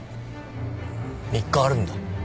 ３日あるんだ。